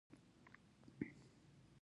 بالاخره یې له دې ځای څخه په وار وار تللی ګڼم.